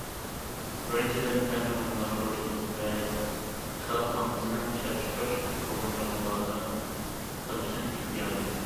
بىرىنچىدىن، پەننى ئومۇملاشتۇرۇش خىزمىتى خەلق ئاممىسىنىڭ ئىشلەپچىقىرىش تۇرمۇشىغا مۇلازىمەت قىلىشنىڭ ئېھتىياجى.